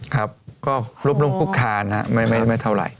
ครับก็รุบรุ่งพุกคานนะครับไม่เท่าไหร่